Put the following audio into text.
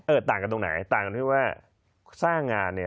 ต่างกันตรงไหนต่างกันที่ว่าสร้างงานเนี่ย